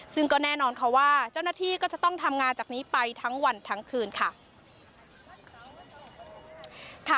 ซึ่งก็แน่นอนค่ะว่าเจ้าหน้าที่ก็จะต้องทำงานจากนี้ไปทั้งวันทั้งคืนค่ะ